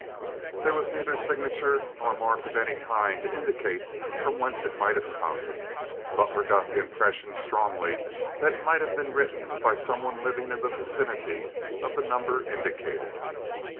There was neither signature nor mark of any kind to indicate from whence it might have come. Butler got the impression strongly that it might have been written by some one living in the vicinity of the number indicated.